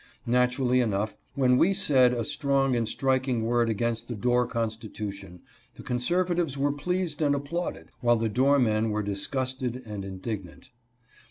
Naturally enough, when we said a strong and striking word against the Dorr Constitution the con servatives were pleased and applauded, while the Dorr men were disgusted and indignant.